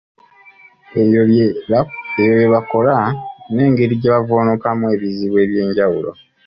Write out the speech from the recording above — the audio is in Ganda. Ebyo bye bakola n'engeri gye bavvuunukamu ebizibu eby'enjawulo,